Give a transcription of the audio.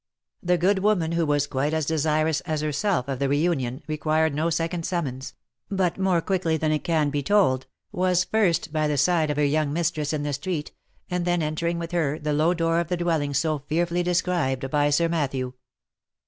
The good woman who was quite as desirous as herself of the re union, required no second summons, but more quickly than it can be told, was first by the side of her young mistress in the street, and then entering w T ith her the low door of the dwelling so fearfully de scribed by Sir Matthew.